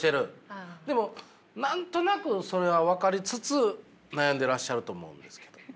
でも何となくそれは分かりつつ悩んでらっしゃると思うんですけど。